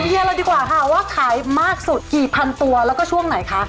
เฮียเราดีกว่าค่ะว่าขายมากสุดกี่พันตัวแล้วก็ช่วงไหนคะ